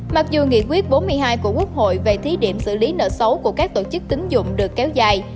mặc dù nghị quyết bốn mươi hai của quốc hội về thí điểm xử lý nợ xấu của các tổ chức tính dụng được kéo dài